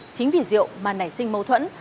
chính vì rượu mà nảy sinh mâu thuẫn